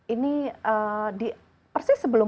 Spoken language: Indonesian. ini persis sebelum